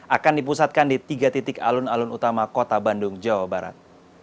akan dipusatkan di tiga titik alun alun utama kota bandung jawa barat